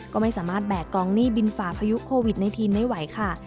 ก็ไม่สามารถแบกกองหนี้บินฝ่าพายุโควิดในทีนได้ไหวค่ะ